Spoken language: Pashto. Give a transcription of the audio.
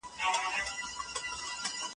پښتو ژبه د ډېرو وګړو د افهام وسیله ده.